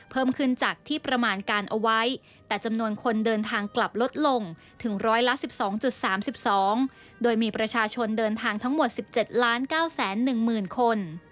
เพิ่มขึ้นจากที่ประมาณการเอาไว้แต่จำนวนคนเดินทางกลับลดลงถึงร้อยละ๑๒๓๒โดยมีประชาชนเดินทางทั้งหมด๑๗๙๑๐๐๐คน